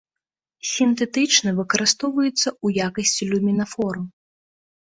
Сінтэтычны выкарыстоўваецца ў якасці люмінафору.